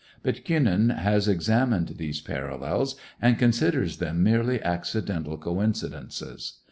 But Kuenen has examined these parallels, and considers them merely accidental coincidences.